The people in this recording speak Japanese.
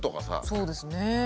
そうですね。